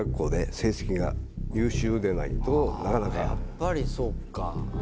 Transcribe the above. やっぱりそっか。